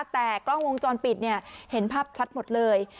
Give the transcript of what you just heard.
แต่กล้องวงจรปิดเห็นภาพชัดหมดเลย